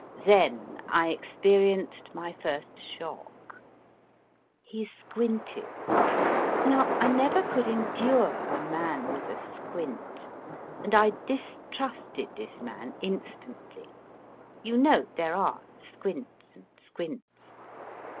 Then I experienced my first shock he squinted ! Now, I never could endure a man with a squint, and I distrusted this man in stantly. You know, there are squints and squints